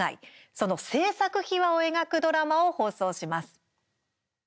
その制作秘話を描くドラマを放送します。